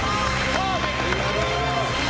パーフェクト！